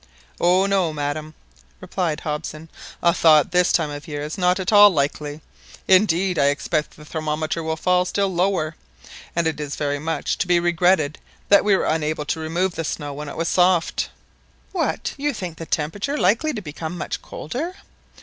"Oh no, madam," replied Hobson, "a thaw at this time of year is not at all likely. Indeed I expect the thermometer will fall still lower, and it is very much to be regretted that we were unable to remove the snow when it was soft." What, you think the temperature likely to become much colder?"